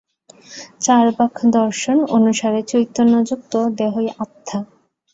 চার্বাক দর্শন অনুসারে চৈতন্যযুক্ত দেহই আত্মা।